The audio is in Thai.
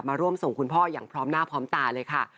ร่วมส่งคุณพ่ออย่างพร้อมหน้าพร้อมตาเลยค่ะ